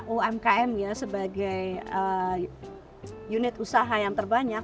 umkm ya sebagai unit usaha yang terbanyak